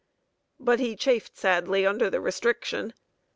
But he chafed sadly under the restriction.